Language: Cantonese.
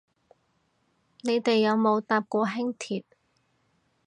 你哋有冇搭過輕鐵